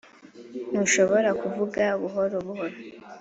ntushobora kuvuga buhoro buhoro